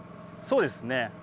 そうですね。